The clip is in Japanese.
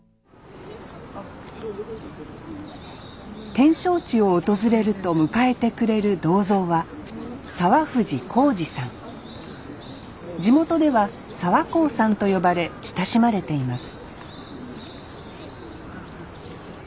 展勝地を訪れると迎えてくれる銅像は地元では澤幸さんと呼ばれ親しまれています